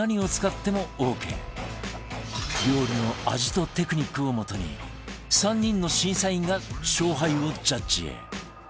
料理の味とテクニックを基に３人の審査員が勝敗をジャッジ